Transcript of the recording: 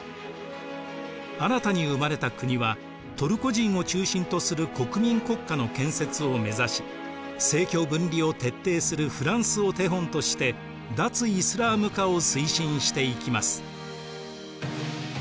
新たに生まれた国はトルコ人を中心とする国民国家の建設を目指し政教分離を徹底するフランスを手本として脱イスラーム化を推進していきます。